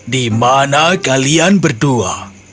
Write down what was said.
di mana kalian berdua